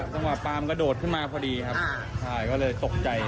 จังหวะปลามกระโดดขึ้นมาพอดีแล้วก็ตกใจ